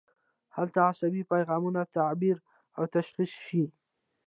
هلته عصبي پیغامونه تعبیر او تشخیص شي.